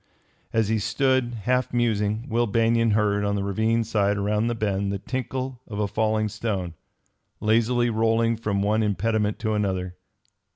As he stood, half musing, Will Banion heard, on the ravine side around the bend, the tinkle of a falling stone, lazily rolling from one impediment to another.